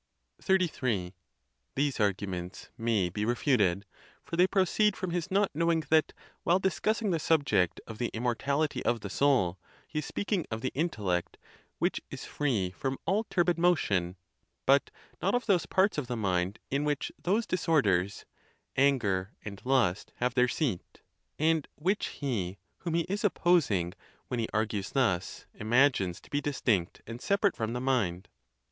XXXIII. These arguments may be refuted; for they proceed from his not knowing that, while discussing the subject of the immortality of the soul, he is speaking of the intellect, which is free from 'all turbid motion; but not of those parts of the mind in which those disorders, 44 THE TUSCULAN DISPUTATIONS. anger and lust, have their seat, and which he whom he is opposing, when he argues thus, imagines to be distinct and separate from the mind.